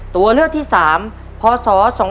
ตัวเลือกที่๓พศ๒๕๖